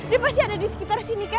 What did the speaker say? dia pasti ada di sekitar sini kan